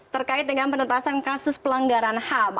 terkait dengan penuntasan kasus pelanggaran ham